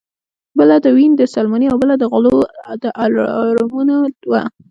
بله د وین د سلماني او بله د غلو د الارمونو وه